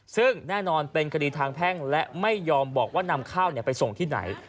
ซึ่งแน่นอนเป็นคดีทางแพ่งและไม่ยอมบอกว่านำข้าวไปส่งที่ไหน